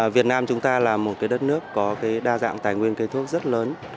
việt nam chúng ta là một đất nước có đa dạng tài nguyên cây thuốc rất lớn